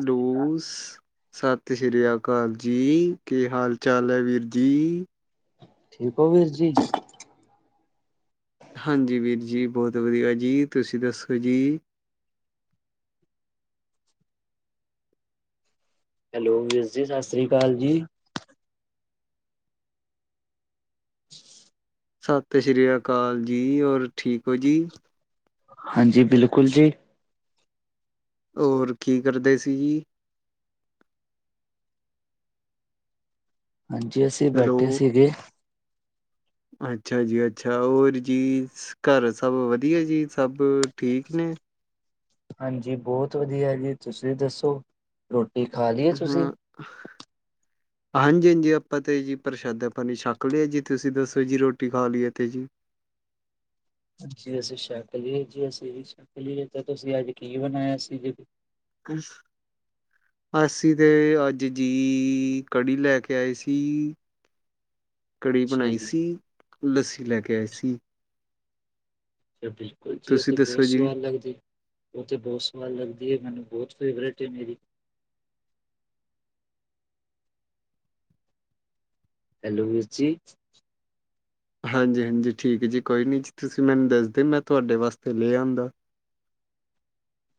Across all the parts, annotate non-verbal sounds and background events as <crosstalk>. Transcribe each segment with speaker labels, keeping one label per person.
Speaker 1: Loss. ਸਤਿ ਸ੍ਰੀ ਅਕਾਲ ਜੀ, ਕੀ ਹਾਲ ਚਾਲ ਐ ਵੀਰ ਜੀ।
Speaker 2: ਠੀਕ ਹੋ ਵੀਰ ਜੀ।
Speaker 1: ਹਾਂਜੀ ਵੀਰ ਜੀ, ਬਹੁਤ ਵਧੀਆ ਜੀ ਤੁਸੀਂ ਦੱਸੋ ਜੀ।
Speaker 2: ਹੈਲੋ, ਵੀਰ ਜੀ ਸਤਿ ਸ਼੍ਰੀ ਅਕਾਲ ਜੀ।
Speaker 1: ਸਤਿ ਸ੍ਰੀ ਅਕਾਲ ਜੀ, ਹੋਰ ਠੀਕ ਹੋ ਜੀ।
Speaker 2: ਹਾਂਜੀ, ਬਿਲਕੁਲ ਜੀ।
Speaker 1: ਹੋਰ ਕੀ ਕਰਦੇ ਸੀ ਜੀ।
Speaker 2: ਹਾਂਜੀ, ਅਸੀਂ
Speaker 1: ਹੈਲੋ
Speaker 2: ਬੈਠੇ ਸੀਗੇ।
Speaker 1: ਅੱਛਾ ਜੀ ਅੱਛਾ ਹੋਰ ਜੀ ਘਰ ਸਭ ਵਧੀਆ ਜੀ ਸਭ ਠੀਕ ਨੇ
Speaker 2: ਹਾਂਜੀ, ਬਹੁਤ ਵਧੀਆ ਜੀ, ਤੁਸੀਂ ਦੱਸੋ ਰੋਟੀ ਖਾ ਲਈਏ ਤੁਸੀਂ।
Speaker 1: <inaudible> ਹਾਂਜੀ-ਹਾਂਜੀ। ਆਪਾਂ ਤੇ ਜੀ ਪ੍ਰਸ਼ਾਦਾ ਪਾਣੀ ਨ ਛੱਕ ਲਿਆ ਜੀ, ਤੁਸੀਂ ਦੱਸੋ ਜੀ ਰੋਟੀ ਖਾ ਲਈਏ ਤੇ ਜੀ।
Speaker 2: ਜੀ ਅਸੀਂ ਸ਼ੱਕ ਲਈ ਜੀ, ਅਸੀਂ ਵੀ ਸ਼ੱਕ ਲਿਆ, ਤੁਸੀਂ ਅੱਜ ਕੀ ਬਣਾਇਆ ਸੀ ਜੀ।
Speaker 1: <unintelligible> ਅਸੀ ਤੇ ਅੱਜ ਜੀ, ਕੜੀ ਲੈ ਕੇ ਆਏ ਸੀ। ਕੜੀ
Speaker 2: ਅੱਛਾ
Speaker 1: ਬਣਾਈ
Speaker 2: ਜੀ
Speaker 1: ਸੀ। ਲੱਸੀ ਲੈ ਕੇ ਆਈ ਸੀ।
Speaker 2: ਬਿਲਕੁਲ ਜੀ, ਉਹ
Speaker 1: ਤੁਸੀਂ
Speaker 2: ਤੇ ਬਹੁਤ
Speaker 1: ਦੱਸੋ ਜੀ
Speaker 2: ਸਵਾਦ ਲੱਗਦੀ। ਉਹ ਤੇ ਬਹੁਤ ਸਵਾਦ ਲੱਗਦੀ ਹੈ ਮੈਨੂੰ ਬਹੁਤ ਫੇਵਰੇਟ ਹੇ ਮੇਰੀ ਹੈਲੋ ਵੀਰ ਜੀ
Speaker 1: ਹਾਂਜੀ ਹਾਂਜੀ ਠੀਕ ਜੀ ਕੋਈ ਨੀ ਜੀ ਤੁਸੀਂ ਮੈਨੂੰ ਦੱਸਦੇ ਮੈਂ ਤੁਹਾਡੇ ਵਾਸਤੇ ਲੈ ਆਉਂਦਾ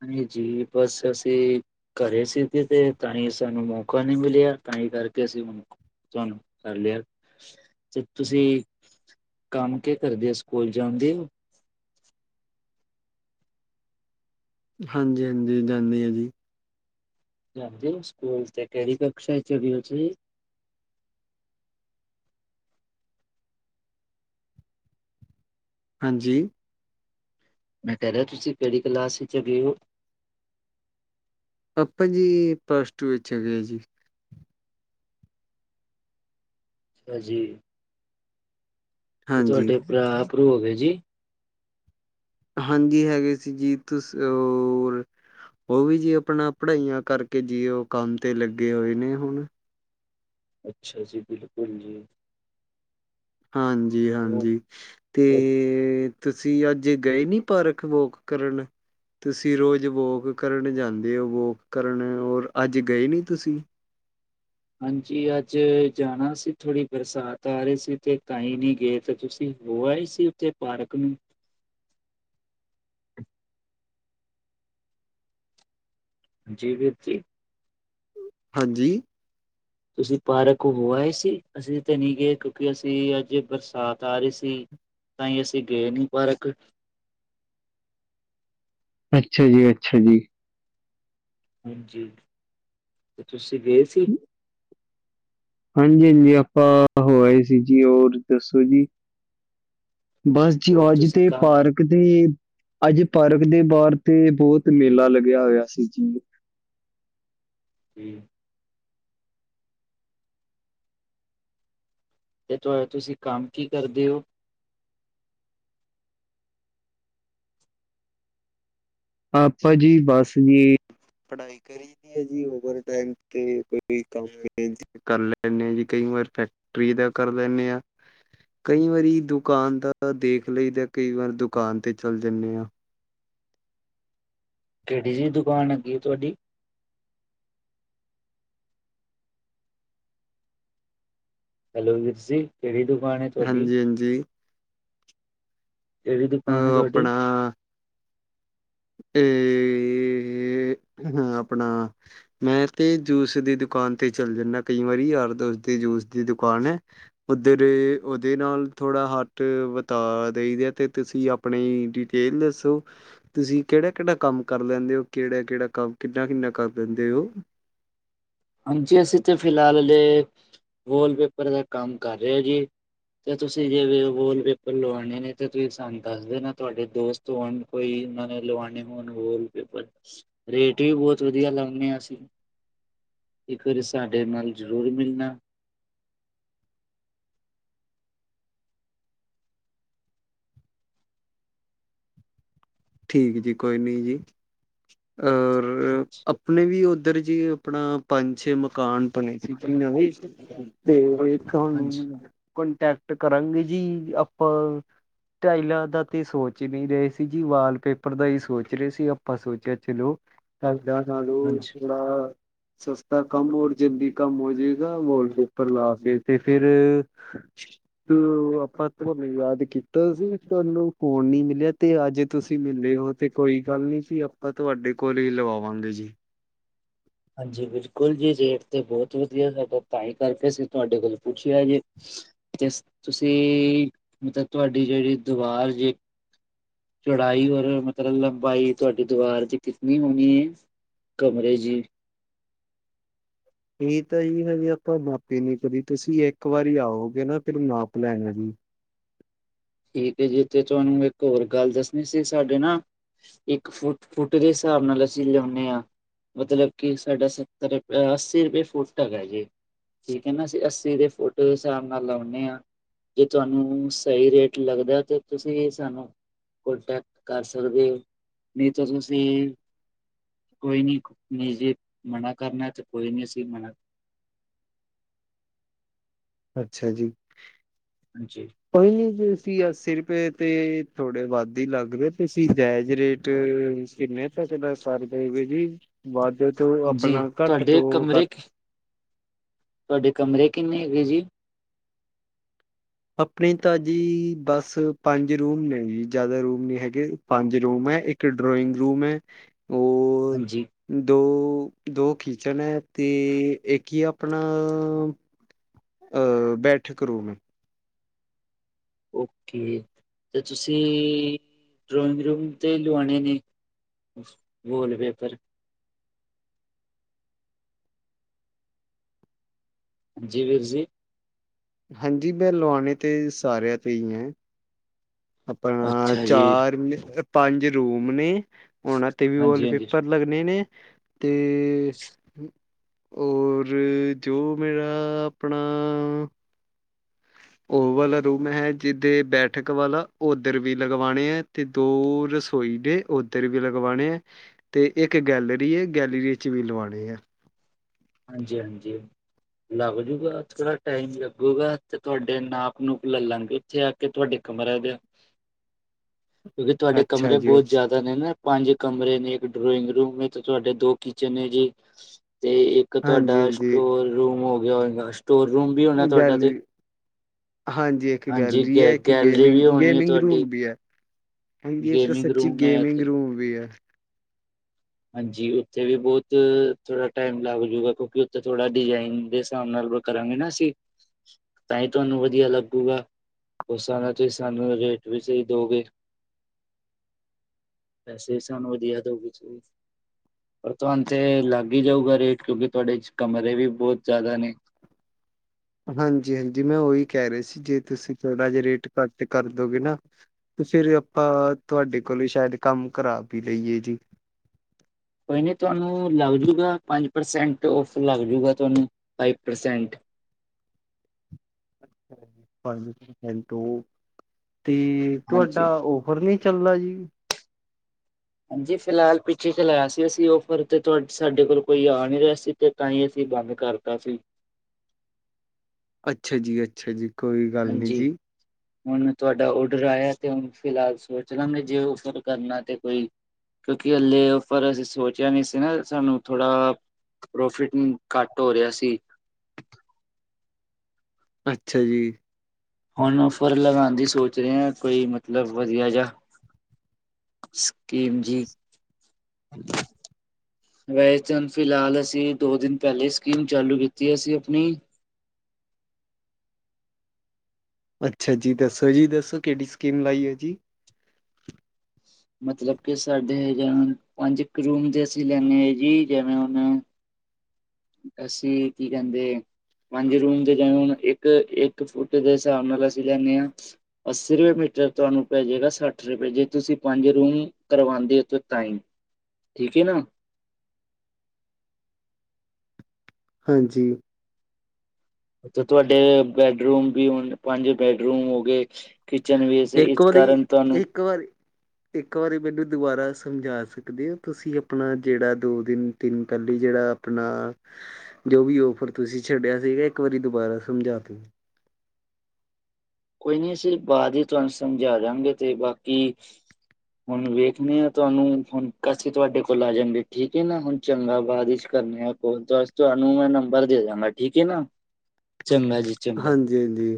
Speaker 2: ਨਹੀਂਾਂ ਜੀ ਬਸ ਅਸੀਂ ਵੈਸੇਤੇ ਤੇ ਤਾਂਹੀ ਸਾਨੂੰ ਮੌਕਾ ਨਹੀਂ ਮਿਲਿਆ ਤਾਂ ਹੀ ਕਰਕੇ ਅਸੀਂ ਹਨੂੰ ਤੁਹਾਨੂੰ ਕਰ ਲਿਆ ਤੇ ਤੁਸੀਂ ਕੰਮ ਕੇ ਕਰਦੇ ਹੋ ਸਕੂਲ ਜਾਣਦੇ ਹੋ
Speaker 1: ਹਾਂਜੀ ਹਾਂਜੀ ਜਾਂਦੇ ਹਾਂ ਜੀ
Speaker 2: ਹਾਂਜੀ ਸਕੂਲ ਤੇ ਕਿਹੜੀ ਕਸ਼ਾ ਚ ਚੜੇ ਹੋ ਜੀ
Speaker 1: ਹਾਂਜੀ
Speaker 2: ਮੈਂ ਕਹਿਹਾ ਤੁਸੀਂ ਕਿਹੜੀ ਕਲਾਸ ਵਿੱਚ ਗਏ ਹੋ
Speaker 1: ਆਪਾਂ ਜੀ ਪਲੱਸ ਟੂ ਵਿੱਚ ਹੈਗੇ ਆ ਜੀ
Speaker 2: ਅਾਂਜੀੀ ਤੇ
Speaker 1: ਹਾਂਜੀ
Speaker 2: ਤੁਹਾਡੇ ਭਰਾਪਰੂ ਹੈਗੇ ਜੀ
Speaker 1: ਹਾਂਜੀ ਹੈਗੇ ਸੀ ਜੀ ਤੁਸ ਔਰ ਉਹ ਵੀ ਜੀ ਆਪਣਾ ਪੜ੍ਹਾਈਆਂ ਕਰਕੇ ਜੀ ਉਹ ਕੰਮ ਤੇ ਲੱਗੇ ਹੋਏ ਨੇ ਹੁਣ
Speaker 2: ਅੱਛਾ ਜੀ ਬਿਲਕੁਲ ਜੀ
Speaker 1: ਹਾਂਜੀ
Speaker 2: ਹੋ-
Speaker 1: ਹਾਂਜੀ
Speaker 2: ਹੋਰ?
Speaker 1: ਤੇ ਤੁਸੀਂ ਅੱਜ ਗਏ ਨੀ ਪਾਰਕ ਵੋਕ ਕਰਨ ਤੁਸੀਂ ਰੋਜ਼ ਵੋਕ ਕਰਨ ਜਾਂਦੇ ਹੋ ਵੋਕ ਕਰਨ ਔਰ ਅੱਜ ਗਏ ਨੀ ਤੁਸੀਂ
Speaker 2: ਹਾਂਜੀ ਅੱਜ ਜਾਣਾ ਸੀ ਥੋੜੀ ਬਰਸਾਤ ਆ ਰਹੀ ਸੀ ਤੇ ਤਾਂਹੀ ਨਹੀਂੀ ਗਏ ਤਾਂ ਤੁਸੀਂ ਉਹ ਹੈ ਹੀ ਸੀ ਉੱਥੇ ਪਾਰਕ ਨੂੰ ਜੀ ਵੀਰ ਜੀ
Speaker 1: ਹਾਂਜੀ
Speaker 2: ਤੁਸੀਂ ਪਾਰਕ ਹੋਆਏ ਸੀ ਅਸੀਂ ਤੇ ਨਹੀਂ ਗਏ ਕਿਉਂਕਿ ਅਸੀਂ ਅੱਜ ਬਰਸਾਤ ਆ ਰਹੀ ਸੀ ਤਾਂ ਹੀ ਅਸੀਂ ਗਏ ਨੀ ਪਾਰਕ
Speaker 1: ਅੱਛਾ ਜੀ ਅੱਛਾ ਜੀ
Speaker 2: ਹਾਂਜੀ ਤੇ ਤੁਸੀਂ ਗਏ ਸੀ
Speaker 1: ਹਾਂਜੀ ਹਾਂਜੀ ਆਪਾਂ ਹੋਏ ਸੀ ਜੀ ਹੋਰ ਦੱਸੋ ਜੀ ਬਸ ਜੀ
Speaker 2: ਹੋਰ
Speaker 1: ਅੱਜ
Speaker 2: ਤੁਸੀਂ
Speaker 1: ਤੇ
Speaker 2: ਕੰਮ
Speaker 1: ਪਾਰਕ ਦੇ ਅੱਜ ਪਾਰਕ ਦੇ ਬਾਹਰ ਤੇ ਬਹੁਤ ਮੇਲਾ ਲੱਗਿਆ ਹੋਇਆ ਸੀ ਜੀ
Speaker 2: ਜੀ ਤੇ ਤੁ ਤੁਸੀਂ ਕੰਮ ਕੀ ਕਰਦੇ ਹੋ
Speaker 1: ਆਪਾ ਜੀ ਬਸ ਵੀ ਜੀ ਕਰੀ ਦੀ ਏ ਓਵਰ ਟਾਈਮ ਤੇ ਕੋਈ ਵੀ ਕੰਮ ਮਿਲ ਜੇ ਕਰ ਲੈਂਦੇ ਹਾਂ ਜੀ ਕਈ ਵਾਰ ਫੈਕਟਰੀ ਦਾ ਕਰ ਲੈਂਦੇ ਹਾਂ। ਕਈ ਵਾਰੀ ਦੁਕਾਨ ਦਾ ਦੇਖ ਲਈ ਤਾਂ ਕਈ ਵਾਰ ਦੁਕਾਨ ਤੇ ਚੱਲ ਜਾਂਦੇ ਹਾਂ।
Speaker 2: ਕਿਹੜੀ ਜਿਹੀ ਦੁਕਾਨ ਹੈੱਗੀ ਹੈ ਤੁਹਾਡੀ। ਹੈਲੋ ਵੀਰ ਜੀ ਕਿਹੜੀ ਦੁਕਾਨ ਹੈ ਤੁਹਾਡੀ
Speaker 1: ਹਾਂਜੀ ਹਾਂਜੀ
Speaker 2: ਕਿਹੜੀ
Speaker 1: ਅ
Speaker 2: ਦੁਕਾਨ ਏ ਤੁਹਾਡੀ
Speaker 1: ਆਪਣਾ <unintelligible> ਹਾਂ ਆਪਣਾ ਮੈਂ ਤੇ ਜੂਸ ਦੀ ਦੁਕਾਨ ਤੇ ਚੱਲ ਜਾਂਦਾ ਕਈ ਵਾਰੀ ਯਾਰ ਦੋਸਤ ਦੀ ਜੂਸ ਦੀ ਦੁਕਾਨ ਹੈ। ਉੱਧਰ ਉਹਦੇ ਨਾਲ ਥੋੜ੍ਹਾ ਹੱਥ ਵਟਾ ਦਈਦੇ ਆ ਤੇ ਤੁਸੀਂ ਆਪ ਆਪਣੀ ਡਿਟੇਲ ਦੱਸੋ ਤੁਸੀਂ ਕਿਹੜਾ, ਕਿਹੜਾ ਕੰਮ ਕਰ ਲੈਂਦੇ ਹੋ ਕਿਹੜਾ, ਕਿਹੜਾ ਕੰ ਕਿੰਨਾ ਕਿੰਨਾ ਕਰ ਦਿੰਦੇ ਉਹ
Speaker 2: ਹਾਂਜੀ ਅਸੀਂ ਤਾਂ ਫਿਲਹਾਲਲੇ ਵਾਲਪੇਪਰ ਦਾ ਕੰਮ ਕਰ ਰਹੇ ਹ ਜੀ ਤੇ ਤੁਸੀਂ ਜੇ ਵੋਲ ਪੇਪਰ ਲਵਾਉਣੇ ਨੇ ਤੇ ਤੁਸੀਂ ਸਾਨੂੰ ਦੱਸਦੇ ਨਾ ਤੁਹਾਡੇ ਦੋਸਤ ਕੋਈ ਇੰਨਾ ਨੇ ਲਵਾਨੇ ਹੋਣ ਵਾਲ ਪੇਪਰ ਰੇਟ ਵੀ ਬਹੁਤ ਵਧੀਆ ਲਾਉਂਦੇ ਹਾਂ ਅਸੀਂ। ਇੱਕ ਵਾਰੀ ਸਾਡੇ ਨਾਲ ਜ਼ਰੂਰ ਮਿਲਣਾ।
Speaker 1: ਠੀਕ ਹੈ ਜੀ ਕੋਈ ਨਹੀਂ ਜੀ ਔਰ। ਆਪਣੇ ਵੀ ਉਧਰ ਜੀ ਆਪਣਾ ਪੰਜ ਛੇ ਮਕਾਨ ਬਣੇ ਸੀ ਨਵੇ ਤੇ
Speaker 2: ਹਾਂਜੀ,
Speaker 1: ਤੁਹਾਨੂੰ ਕਟੈਕਟ ਕਰਾਂਗੇ ਜੀ ਆਪਾਂ ਟਾਈਲਾਂ ਦਾ ਤੇ ਸੋਚ ਨਹੀਂ ਰਹੇ ਸੀ ਜੀ ਵਾਲ ਪੇਪਰ ਦਾ ਹੀ ਸੋਚ ਰਹੇ ਸੀ ਆਪਾਂ ਸੋਚਿਆ ਚਲੋ ਕਰਦਾ ਤੁਹਾਨੂੰ।
Speaker 2: ਹਾਂਜੀ।
Speaker 1: ਜਿਹੜਾ ਸਸਤਾ ਕੰਮ ਹੋਰ ਜਲਦੀ ਕੰਮ ਹੋ ਜਾਏਗਾ ਵਾਲ ਪੇਪਰ ਲਾ ਕੇ ਤੇ ਫਿਰ। ਤੇ ਆਪਾਂ ਤੁਹਾਨੂੰ ਯਾਦ ਕੀਤਾ ਸੀ ਤੁਹਾਨੂੰ ਫੌਨ ਨੀ ਮਿਲਿਆ ਤੇ ਅੱਜ ਤੁਸੀਂ। ਤੁਸੀਂ ਮਿਲੇ ਹੋ ਤੇ ਕੋਈ ਗੱਲ ਨੀ ਸੀ ਆਪਾਂ ਤੁਹਾਡੇ ਕੋਲ ਹੀ ਲਵਾਵਾਂਗੇ ਜੀ।
Speaker 2: ਹਾਂਜੀ ਬਿਲਕੁਲ ਜੀ, ਰੇਟ ਤੇ ਬਹੁਤ ਵਧੀਆ ਸਾਡਾ ਤਾਂ ਹੀ ਕਰਕੇ ਅਸੀਂ ਤੁਹਾਡੇ ਕੋਲ ਪੁੱਛਿਆ ਜੀ। ਤੇ ਤੁਸੀਂ, ਮਤਲਬ ਤੁਹਾਡੀ ਜਿਹੜੀ, ਦੀਵਾਰ ਜੇ। ਚੌੜਾਈ ਔਰ ਮਤਲਬ ਲੰਬਾਈ ਤੁਹਾਡੀ ਦੀੁਵਾਰ ਚ ਕਿਤਨੀ ਹੋਣੀ ਏ ਕਮਰੇ ਜੀ?
Speaker 1: ਇਹ ਤਾਂ ਹੀ ਹਜੇ ਆਪਾਂ ਨਾਪੇ ਨੀ ਕਦੀ ਤੁਸੀਂ ਇੱਕ ਵਾਰੀ ਆਓਗੇ ਨਾ ਫਿਰ ਨਾਪ ਲੈਣਾ ਜੀ।
Speaker 2: ਠੀਕ ਹੈ ਜਿੱਥੇ ਤੁਹਾਨੂੰ ਇੱਕ ਹੋਰ ਗੱਲ ਦੱਸਣੀ ਸੀ ਸਾਡੇ ਨਾ। ਇੱਕ ਫੁਟ, ਫੁੱਟ ਦੇ ਹਿਸਾਬ ਨਾਲ ਅਸੀਂ ਲਿਆਉਨੇ ਆ। ਮਤਲਬ ਕਿ ਸਾਡਾ ਸੱਤਰ ਅੱਸੀ ਰੁਪਏ ਫੁੱਟ ਹੇਗਾ ਜੇ। ਠੀਕ ਹੈ ਨਾ ਅਸੀਂ ਅੱਸੀ ਦੇ ਫੁੱਟ ਦੇ ਹਿਸਾਬ ਨਾਲ ਲਾਉਦੇ ਹਾਂ ਜੇ ਤੁਹਾਨੂੰ ਸਹੀ ਰੇਟ। ਲੱਗਦਾ ਤੇ ਤੁਸੀਂ ਸਾਨੂੰ ਕਟੈਕਟ ਕਰ ਸਕਦੇ ਨਹੀਂ ਤਾਂ ਤੁਸੀਂ ਕੋਈ ਨੀ ਨ ਜੇ ਮਨਾ ਕਰਨਾ ਤੇ ਕੋਈ ਨੀ ਅਸੀਂ ਮਨਾ।
Speaker 1: ਅੱਛਾ ਜੀ।
Speaker 2: ਹਾਂਜੀ।
Speaker 1: ਭਾਜੀ ਅਸੀਂ, ਅੱਸੀ ਰੁਪਏ ਤੇ ਥੋੜੇ ਵੱਧ ਹੀ ਲੱਗਦੇ ਤੁਸੀ ਜਾਇਜ਼ ਰੇਟ। ਕਿੰਨੇ ਤੱਕ ਦਾ ਸਰ ਦੇਵੇ ਜੀ ਵੱਧ ਤੋਂ
Speaker 2: ਹਾਂਜੀ
Speaker 1: ਆਪਣਾ ਘੱਟ
Speaker 2: ਤੁਹਾਡੇ
Speaker 1: ਤੋਂ
Speaker 2: ਕਮਰੇ
Speaker 1: ਘੱਟ।
Speaker 2: ਤੁਹਾਡੇ ਕਮਰੇ ਕਿੰਨੇ ਹੈਗੇ ਜੀ?
Speaker 1: ਆਪਣੇ ਤਾਂ ਜੀ ਬਸ ਪੰਜ ਰੂਮ ਨੇ ਜੀ ਜ਼ਿਆਦਾ ਰੂਮ ਨੀ ਹੈਗੇ। ਪੰਜ ਰੂਮ ਹੈ ਇੱਕ ਡਰਾਇੰਗ ਰੂਮ ਹੈ ਹੋਰ।
Speaker 2: ਹਾਂਜੀ
Speaker 1: ਦੋ, ਦੋ ਕਿਚਨ ਹੈ ਤੇ ਇੱਕ ਹੀ ਆਪਣਾ। ਅ ਬੈਠਕ ਰੂਮ?
Speaker 2: ਓਕੇ ਤੇ ਤੁਸੀਂ, ਡਰੋਇੰਗ ਰੂਮ ਤੇ ਲਵਾਣੇ ਨੇ? Wallpaper. ਜੀ ਵੀਰ ਜੀ?
Speaker 1: ਹਾਂਜੀ, ਮੈਂ ਲਵਾਣੇ ਤੇ ਸਾਰਿਆਂ ਤੇ ਹੀ ਹੈ। ਆਪਣਾ
Speaker 2: ਅੱਛਾ ਜੀ
Speaker 1: ਚਾਰ ਪੰਜ ਰੂਮ ਨੇ ਉਹਨਾਂ ਤੇ ਵੀ
Speaker 2: ਹਾਂਜੀ ਹਾਂਜੀ
Speaker 1: ਵਾਲਪੇਪਰ। ਲੱਗਣੇ ਨੇ ਤੇ ਔਰ ਜੋ ਮੇਰਾ ਆਪਣਾ ਉਹ ਵਾਲਾ ਰੂਮ ਹੈ ਜਿਦੇ ਬੈਠਕ ਵਾਲਾ ਉਧਰ ਵੀ ਲਗਵਾਣੇ ਹੈ ਤੇ ਦੋ ਰਸੋਈ ਦੇ ਉੱਧਰ ਵੀ ਲਗਵਾਉਣੇ ਹੈ ਅਤੇ ਇੱਕ ਗਲਰੀ ਹੈ ਗਲਰੀ ' ਵੀ ਲਵਾਉਣੇ ਹੈ
Speaker 2: ਹਾਂਜੀ ਹਾਂਜੀ ਲੱਗ ਜੂਗਾ ਥੋੜਾ ਟਾਈਮ ਲੱਗੂਗਾ ਤੇ ਤੁਹਾਡੇ ਨਾਪ ਨੂੰੂਪ ਲੈ ਲਾਂਗੇ ਇੱਥੇ ਆ ਕੇ ਤੁਹਾਡੇ ਕਮਰ ਦੇ ਕਿਉਂਕਿ ਤੁਹਾਡੇ
Speaker 1: ਅੱਛਾ
Speaker 2: ਕਮਰੇ
Speaker 1: ਜੀ
Speaker 2: ਬਹੁਤ
Speaker 1: ਅੱਛਾ
Speaker 2: ਜ਼ਿਆਦਾ ਨੇ ਨਾ। ਪੰਜ ਕਮਰੇ ਨੇ ਇੱਕ ਡਰੋਇੰਗ ਰੂਮ ਤੇ ਤੁਹਾਡੇ ਦੋ ਕਿਚਨ ਨੇ ਜੀ ਤੇ
Speaker 1: ਹਾਂਜੀ
Speaker 2: ਤੁਹਾਡਾ
Speaker 1: ਹਾਂਜੀ
Speaker 2: ਸਟੋਰ ਰੂਮ ਹੋ ਗਿਆ ਹੋਏਗਾ ਸਟੋਰ ਰੂਮ ਵੀ ਹੋਣਾ ਤੁਹਾਡਾ ਤੇ?
Speaker 1: ਗੈਲਰੀ ਹਾਂਜੀ, ਇੱਕ
Speaker 2: ਹਾਂਜੀ
Speaker 1: ਗੈਲਰੀ ਹੈ
Speaker 2: ਗੈ
Speaker 1: ਇੱਕ
Speaker 2: ਗੈਲਰੀ ਵੀ
Speaker 1: ਗੇਮਿੰਗ
Speaker 2: ਹੋਣੀ ਹੈ
Speaker 1: ਗੇਮਿੰਗ
Speaker 2: ਤੁਹਾਡੀ
Speaker 1: ਰੂਮ ਵੀ ਹੈ। ਹਾਂਜੀ ਤਾਂ
Speaker 2: ਗੇਮਿੰਗ
Speaker 1: ਸੱਚੀ
Speaker 2: ਰੂਮ ਹੈ
Speaker 1: ਗੇਮਿੰਗ
Speaker 2: ਤੇ
Speaker 1: ਰੂਮ ਵੀ ਹੈ।
Speaker 2: ਹਾਂਜੀ ਉੱਥੇ ਵੀ ਬਹੁਤ ਥੋੜਾ ਟਾਈਮ ਲੱਗ ਜੂਗਾ ਕਿਉਂਕਿ ਉੱਥੇ ਥੋੜਾ ਡਿਜ਼ਾਇਨ ਦੇ ਹਿਸਾਬ ਨਾਲ। ਕਰਾਂਗੇ ਨਾ ਅਸੀਂ। ਤਾਂ ਹੀ ਤੁਹਾਨੂੰ ਵਧੀਆ ਲੱਗੂਗਾ। ਉਹ ਸਾਰਾ ਜੇ ਸਾਨੂੰ ਰੇਟ ਵੀ ਸਹੀ ਦਓਗੇ। ਪੈਸੇ ਸਾਨੂੰ ਵਧੀਆ ਦਿਉ ਕੁਛ। ਪਰ ਤੁਹਾਨੂੰ ਤੇ ਲੱਗ ਹੀ ਜਾਊਗਾ ਰੇਟ ਕਿਉਂਕਿ ਤੁਹਾਡੇ ਚ ਕਮਰੇ ਵੀ ਬਹੁਤ ਜ਼ਿਆਦਾ ਨੇ।
Speaker 1: ਹਾਂਜੀ ਹਾਂਜੀ ਮੈਂ ਉਹੀ ਕਹਿ ਰਿਹਾ ਸੀ ਜੇ ਤੁਸੀਂ ਥੋੜਾ ਜਹਾ ਰੇਟ ਘੱਟ ਕਰਦੋਗੇ ਨਾ ਤੇ ਫੇਿਰ ਆਪਾਂ ਤੁਹਾਡੇ ਕੋਲੋਂ ਸ਼ਾਇਦ ਕੰਮ ਕਰਾ ਹੀ ਲਈਏ ਜੀ
Speaker 2: ਕੋਈ ਨਹੀਂ ਤੁਹਾਨੂੰ ਲੱਗ ਜੂਗਾ ਪੰਜ ਪ੍ਰਸੈਂਟ ਔਫਰ ਲੱਗ ਜੂਗਾ ਤੁਹਾਨੂੰ ਫਾਈਵ ਪ੍ਰਸੈਂਟ
Speaker 1: ਪੰਜ ਪਸੈਂਟ ਉਹ ਤੇ
Speaker 2: ਹਾਂਜੀ
Speaker 1: ਤੁਹਾਡਾ ਉਹ ਹੋਰ ਨਹੀਂ ਚੱਲਦਾ ਜੀ
Speaker 2: ਹਾਂਜੀ ਫਿਲਹਾਲ ਪਿੱਛੇ ਚਲਾਇਆ ਸੀ ਅਸੀਂ ਔਫਰ ਤੇ ਤੁ ਸਾਡੇ ਕੋਲ ਕੋਈ ਆ ਨਹੀਂ ਰਿਹਾ ਸੀ ਤੇ ਤਾਂ ਹੀ ਅਸੀਂ ਬੰਦ ਕਰਤਾ ਸੀ
Speaker 1: ਅੱਛਾ ਜੀ ਅੱਛਾ ਜੀ ਕੋਈ ਗੱਲ ਨਹੀਂ
Speaker 2: ਹਾਂਜੀ
Speaker 1: ਜੀ
Speaker 2: ਹੁਣ ਤੁਹਾਡਾ ਔਡਰ ਆਇਆ ਤੇ ਹੁਣ ਫਿਲਹਾਲ ਸੋਚ ਲਾਂ ਮ ਜੇ ਔਡਰ ਕਰਨਾ ਤੇ ਕੋਈ ਕਿਉਂਕਿ ਹੱਲੇ ਉਪਰ ਅਸੀਂ ਸੋਚਿਆ ਨੀ ਸੀ ਨਾ ਸਾਨੂੰ ਥੋੜਾ ਪ੍ਰੋਫਿਟ ਘੱਟ ਹੋ ਰਿਹਾ ਸੀ
Speaker 1: ਅੱਛਾ ਜੀ
Speaker 2: ਹੁਣ ਔਫਰ ਲਗਾਉਣ ਦੀ ਸੋਚ ਰਹੇ ਹਾਂ ਕੋਈ ਮਤਲਬ ਵਧੀਆ ਜਿਆ ਸਕੀਮ ਜੀ ਵੈਸੇ ਤਾਂ ਫਿਲਹਾਲ ਅਸੀਂ ਦੋ ਦਿਨ ਪਹਿਲੇ ਸਕੀਮ ਚਾਲੂ ਕੀਤੀ ਅਸੀਂ ਆਪਣੀ
Speaker 1: ਅੱਛਾ ਜੀ ਦੱਸੋ ਜੀ ਦੱਸੋ ਕਿਹੜੀ ਸਕੀਮ ਲਾਈ ਹੈ ਜੀ
Speaker 2: ਮਤਲਬ ਕਿ ਸਾਡੇ ਜਿਵੇਂ ਪੰਜ ਇੱਕ ਰੂਮ ਦੇ ਅਸੀਂ ਲੈਂਦੇ ਹ ਜੀ ਜਿਵੇਂ ਹੁਣ ਅਸੀਂ ਕੀ ਕਹਿੰਦੇ ਪੰਜ ਰੂਮ ਤੇ ਜਾਵਣ ਇੱਕ ਇੱਕ ਇੱਕ ਫੁੱਟ ਦੇ ਹਿਸਾਬ ਨਾਲ ਅਸੀਂ ਲੈਂਦੇ ਹਾਂ ਅੱਸੀ ਰੁਪਏ ਮੀਟਰ ਤੁਹਾਨੂੰ ਪੈ ਜਾੇਗਾ ਸੱਠ ਰੁਪਏ ਜੇ ਤੁਸੀਂ ਪੰਜ ਰੂਮ ਕਰਵਾਉਂਦੇ ਉਥੇ ਤਾਈ ਠੀਕ ਹੈ ਨਾ
Speaker 1: ਹਾਂਜੀ
Speaker 2: ਉਥੇ ਤੁਹਾਡੇ ਬੈਡਰੂਮ ਵੀ ਹੁਣ ਪੰਜ ਬੈਡਰੂਮ ਹੋ ਗਏ ਕਿਚਨ ਵੇਸ
Speaker 1: ਇੱਕ
Speaker 2: ਇਸ
Speaker 1: ਵਾਰੀ
Speaker 2: ਕਾਰਨ ਤੁਹਾਨੂੰ
Speaker 1: ਇੱਕ ਵਾਰੀ ਇੱਕ ਵਾਰੀ ਮੈਨੂੰ ਦੁਬਾਰਾ ਸਮਝਾ ਸਕਦੇ ਹੋ ਤੁਸੀਂ ਆਪਣਾ ਜਿਹੜਾ ਦੋ ਦਿਨ ਤਿੰਨ ਪਹਿੱਲਲੀ ਜਿਹੜਾ ਆਪਣਾ ਜੋ ਵੀ ਔਫਰ ਤੁਸੀਂ ਛੱਡਿਆ ਸੀਗਾ ਇੱਕ ਵਾਰੀ ਦੁਬਾਰਾ ਸਮਝਾ ਦੋ
Speaker 2: ਕੋਈ ਨੀ ਅਸੀਂ ਬਾਅਦ ਹੀ ਤੁਹਾਨੂੰ ਸਮਝਾ ਦਾਂਗੇ ਤੇ ਬਾਕੀ ਹੁਣ ਵੇਖਣੇ ਆਾਂ ਤੁਹਾਨੂੰ ਹੁਣ ਪੈਸੇ ਤੁਹਾਡੇ ਕੋਲ ਆ ਜਾਂਗੇ ਠੀਕ ਹੈ ਨਾ ਹੁਣ ਚੰਗਾ ਬਾਅਦਿਸ਼ ਕਰਨੇ ਆ ਕੋਲ ਬਸ ਤੁਹਾਨੂੰ ਮੈਂ ਨੰਬਰ ਦੇ ਦਾਂਗਾ ਠੀਕ ਹੈ ਨਾ ਚੰਗਾ ਜੀ ਚੰਗਾ
Speaker 1: ਹਾਂਜੀ ਹਾਂਜੀ